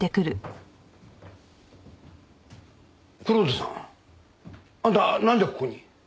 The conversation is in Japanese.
蔵人さんあんたなんでここに？